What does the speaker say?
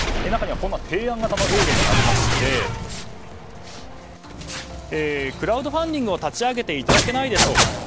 中には、こんな提案型のエールもありましてクラウドファンディングを立ち上げていただけないでしょうか。